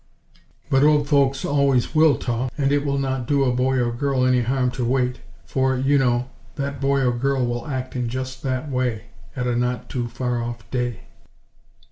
But old folks always will talk and it will not do a boy or girl any harm to wait; for, you know, that boy or girl will act in just that way, at a not too far off day!